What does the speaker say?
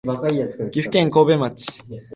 岐阜県神戸町